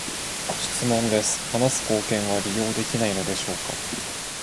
質問です、話す貢献は利用できないのでしょうか？